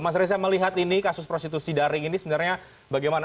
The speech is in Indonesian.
mas reza melihat ini kasus prostitusi daring ini sebenarnya bagaimana